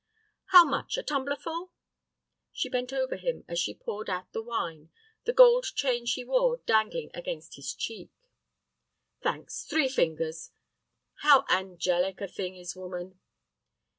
"How much, a tumblerful?" She bent over him as she poured out the wine, the gold chain she wore dangling against his cheek. "Thanks. Three fingers. How angelic a thing is woman!"